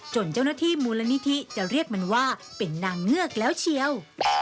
เจ้าหน้าที่มูลนิธิจะเรียกมันว่าเป็นนางเงือกแล้วเชียว